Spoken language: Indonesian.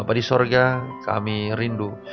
bapak di sorga kami rindu